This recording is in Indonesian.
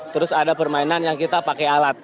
terus ada permainan yang kita pakai alat